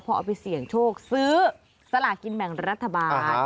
พอเอาไปเสี่ยงโชคซื้อสลากินแบ่งรัฐบาล